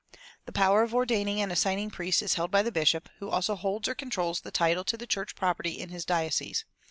The power of ordaining and assigning priests is held by the bishop, who also holds or controls the title to the church property in his diocese.